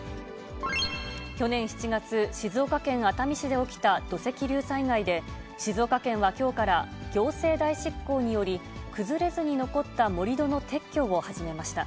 去年７月、静岡県熱海市で起きた土石流災害で、静岡県はきょうから行政代執行により、崩れずに残った盛り土の撤去を始めました。